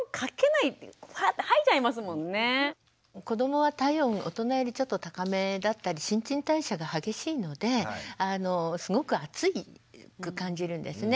子どもは体温大人よりちょっと高めだったり新陳代謝が激しいのですごく暑く感じるんですね。